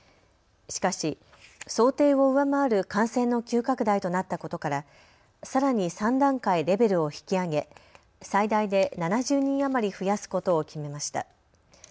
しかし、想定を上回る感染の急拡大となったことからさらに３段階レベルを引き上げ最大で７０人余り増やすことを決めました。